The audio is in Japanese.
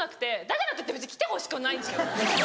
だからといって別に来てほしくはないんですよ。